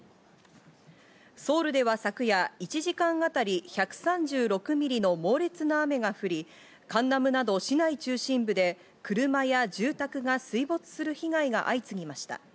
ソウルでは昨夜１時間あたり１３６ミリの猛烈な雨が降り、カンナムなど市内中心部で車や住宅が水没する被害が相次ぎました。